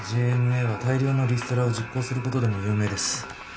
ＪＭＡは大量のリストラを実行することでも有名です。